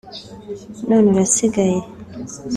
none urasigaye